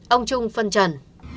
ông trung phân trần